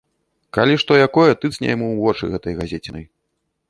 Калі што якое, тыцні яму ў вочы гэтай газецінай.